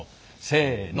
せの。